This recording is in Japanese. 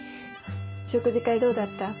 食事会どうだった？